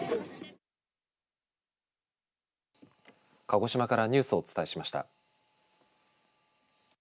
鹿児島からニュースをお伝えしました。